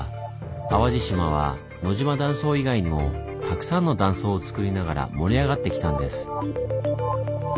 淡路島は野島断層以外にもたくさんの断層をつくりながら盛り上がってきたんです。